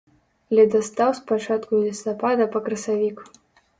Ледастаў з пачатку лістапада па красавік.